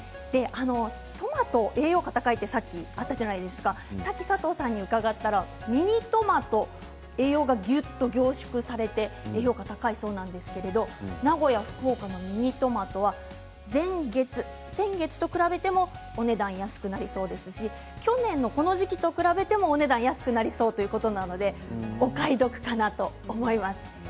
トマト、栄養価が高いとさっきあったじゃないですか佐藤さんに伺ったらミニトマト栄養がぎゅっと凝縮されていて栄養価が高いそうなんですが名古屋、福岡のミニトマトは前月、先月と比べてもお値段安くなりそうですし去年のこの時期と比べても値段が安くなりそうということですのでお買い得かなと思います。